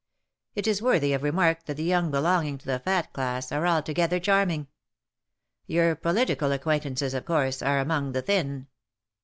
It is worthy of remark that the young belonging to the Fat class are altogether charming. Your political acquaintances, of course, are among the Thin.